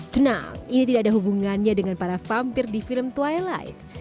tenang ini tidak ada hubungannya dengan para vampir di film twilight